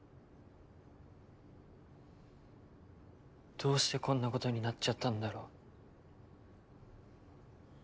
どうしてこんなことになっちゃったんだろう。